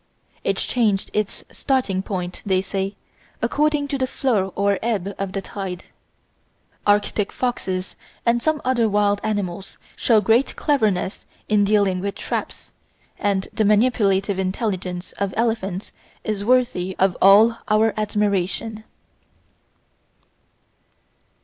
It changed its starting point, they say, according to the flow or ebb of the tide. Arctic foxes and some other wild mammals show great cleverness in dealing with traps, and the manipulative intelligence of elephants is worthy of all our admiration.